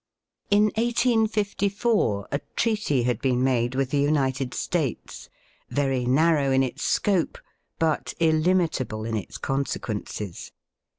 In 1864 a treaty had been made with the United States, very narrow in its scope, but illimitable in its consequences.